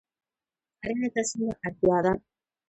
کرنې ته څومره اړتیا ده؟